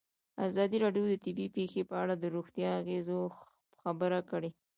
ازادي راډیو د طبیعي پېښې په اړه د روغتیایي اغېزو خبره کړې.